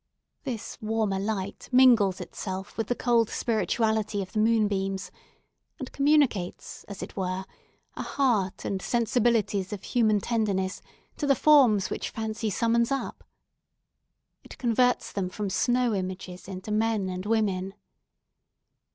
This warmer light mingles itself with the cold spirituality of the moon beams, and communicates, as it were, a heart and sensibilities of human tenderness to the forms which fancy summons up. It converts them from snow images into men and women.